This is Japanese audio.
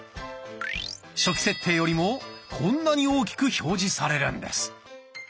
初期設定よりもこんなに大きく表示されるんです。